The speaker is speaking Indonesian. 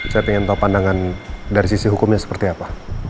saya ingin tahu pandangan dari sisi hukumnya seperti apa